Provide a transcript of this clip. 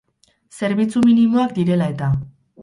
Zerbitzu minimoak direla eta.